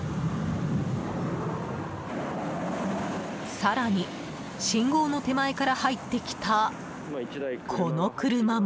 更に信号の手前から入ってきたこの車も。